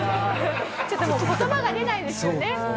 ちょっともう言葉が出ないですよね。